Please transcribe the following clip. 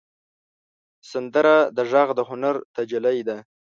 سندره د غږ د هنر تجلی ده